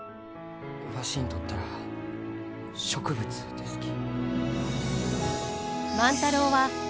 わしにとったら植物ですき。